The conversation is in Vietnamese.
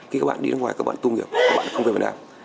khi các bạn đi nước ngoài các bạn công nghiệp các bạn không về việt nam